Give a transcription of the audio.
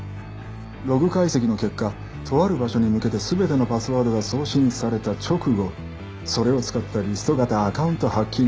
ログ解析の結果とある場所に向けて全てのパスワードが送信された直後それを使ったリスト型アカウントハッキング攻撃が始まった。